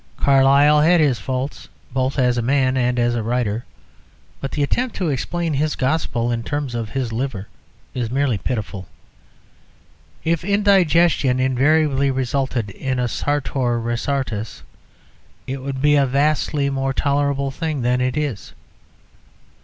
Carlyle had his faults, both as a man and as a writer, but the attempt to explain his gospel in terms of his "liver" is merely pitiful. If indigestion invariably resulted in a "Sartor Resartus," it would be a vastly more tolerable thing than it is.